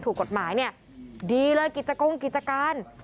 ถูกกฎหมายเนี่ยดีเลยกิจกงกิจการ